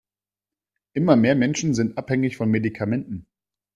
Immer mehr Menschen sind abhängig von Medikamenten.